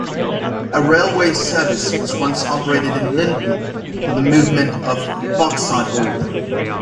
A railway service was once operated in Linden for the movement of bauxite ore.